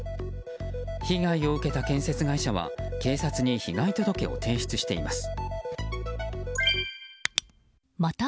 被害を受けた建設会社は警察に被害届を提出しています。